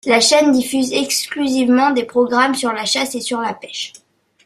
La chaîne diffuse exclusivement des programmes sur la chasse et sur la pêche.